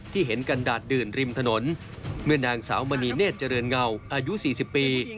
เห็นกันดาดดื่นริมถนนเมื่อนางสาวมณีเนธเจริญเงาอายุ๔๐ปี